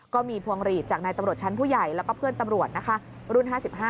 พวงหลีดจากนายตำรวจชั้นผู้ใหญ่แล้วก็เพื่อนตำรวจนะคะรุ่น๕๕